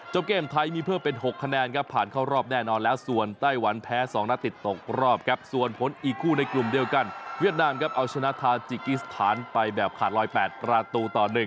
เกมไทยมีเพิ่มเป็น๖คะแนนครับผ่านเข้ารอบแน่นอนแล้วส่วนไต้หวันแพ้๒นัดติดตกรอบครับส่วนผลอีกคู่ในกลุ่มเดียวกันเวียดนามครับเอาชนะทาจิกิสถานไปแบบขาดลอย๘ประตูต่อ๑